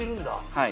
はい。